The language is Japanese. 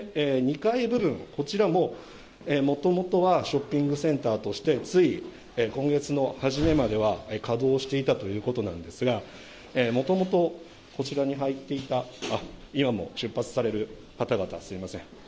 ２階部分、こちらも、もともとはショッピングセンターとして、つい今月の初めまでは、稼働していたということなんですが、もともと、こちらに入っていた、今も出発される方々、すみません。